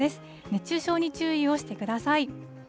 熱中症に注意をしてください。